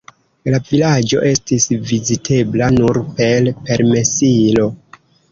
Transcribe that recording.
La vilaĝo estis vizitebla nur per permesilo.